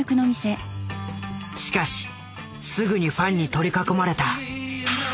しかしすぐにファンに取り囲まれた。